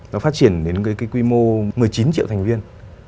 nó phát triển đến cái quy mô một mươi chín triệu thành viên